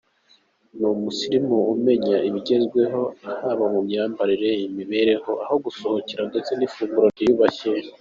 Ni umusirimu, amenya ibigezweho haba mu myambarire ,imirire, aho gusohokera ndetse n’amafunguro yiyubashye.